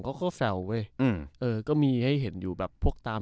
เขาก็แซวเว้ยอืมเออก็มีให้เห็นอยู่แบบพวกตาม